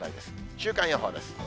週間予報です。